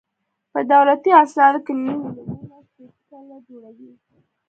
په دولتي اسنادو کې نوي نومونه شپېته سلنه جوړوي